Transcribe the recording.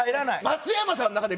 松山さんの中で。